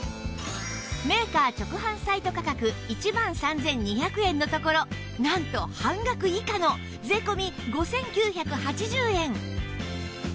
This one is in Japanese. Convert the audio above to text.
メーカー直販サイト価格１万３２００円のところなんと半額以下の税込５９８０円